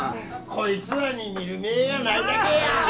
こいつらに見る目ぇがないだけや！